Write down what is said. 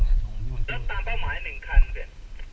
แล้วตามเป้าหมาย๑ครั้งเปลี่ยน